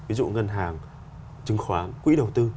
ví dụ ngân hàng chứng khoán quỹ đầu tư